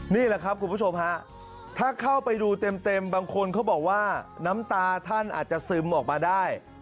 นี่แหละครับคุณผู้ชมฮะถ้าเข้าไปดูเต็มบางคนเขาบอกว่าน้ำตาท่านอาจจะซึมออกมาได้